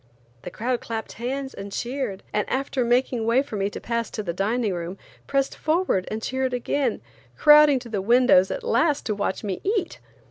The crowd clapped hands and cheered, and after making way for me to pass to the dining room, pressed forward and cheered again, crowding to the windows at last to watch me eat.